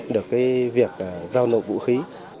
được cái việc giao nộp vũ khí